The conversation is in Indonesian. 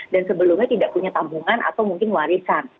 dan sebelumnya tidak punya tambungan atau mungkin warisan